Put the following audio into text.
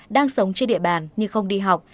đang sống trên địa bàn nhưng không đi học